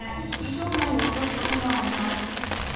障害を起こすこともあります。